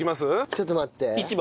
ちょっと待って。